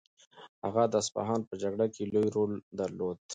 هغه د اصفهان په جګړه کې لوی رول درلود.